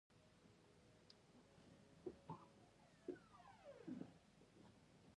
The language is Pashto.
د افغانستان په جغرافیه کې آمو سیند ستر اهمیت لري.